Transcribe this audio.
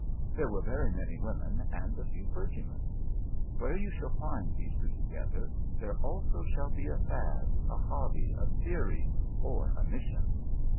There were very many women and a few clergymen. Where you shall find these two together, there also shall be a fad, a hobby, a theory, or a mission.